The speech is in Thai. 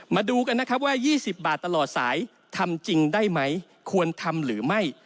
มาดูกันนะครับว่า๒๐บาทตลอดสายทำจริงได้ไหมควรทำหรือไม่